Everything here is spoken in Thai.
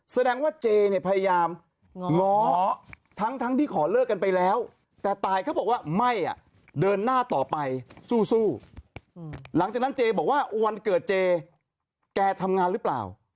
แสดงว่าเจเนี่ยพยายามง้อทั้งที่ขอเลิกกันไปแล้วแต่ตายเขาบอกว่าไม่อ่ะเดินหน้าต่อไปสู้หลังจากนั้นเจบอกว่าวันเกิดเจแกทำงานหรือเปล่า